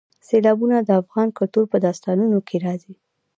سیلابونه د افغان کلتور په داستانونو کې راځي.